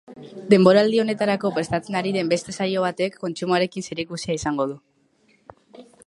Denboraldi honetarako prestatzen ari den beste saio batek kontsumoarekin zerikusia izango du.